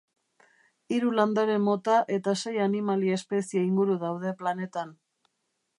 Hiru landare mota eta sei animali espezie inguru daude planetan.